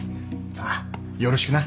ああよろしくな。